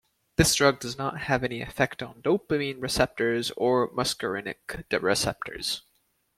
This drug does not have any effect on dopamine receptors or muscarinic receptors.